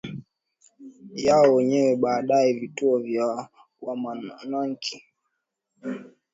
yao wenyewe Baadaye vituo vya wamonaki vilikuwa vitovu vya elimu ambapo